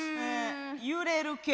揺れる系。